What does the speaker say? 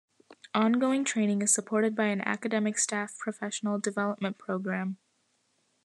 Ongoing training is supported by an academic staff professional development programme.